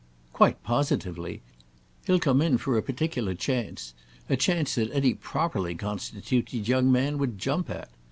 "Quite positively. He'll come in for a particular chance—a chance that any properly constituted young man would jump at.